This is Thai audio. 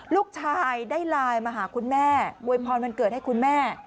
ลูกชายได้ไลน์มาหาคุณแม่อวยพรวันเกิดให้คุณแม่